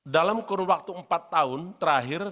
dalam kurun waktu empat tahun terakhir